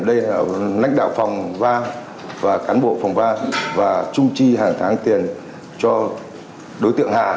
lãnh đạo phòng va và cán bộ phòng va và trung trì hàng tháng tiền cho đối tượng hà